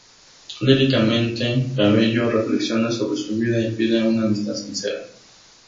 Líricamente, Cabello reflexiona sobre su vida y pide una amistad sincera.